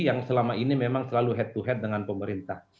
yang selama ini memang selalu head to head dengan pemerintah